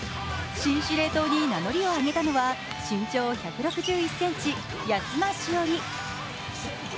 新司令塔に名乗りを上げたのは身長１６１ｃｍ、安間志織。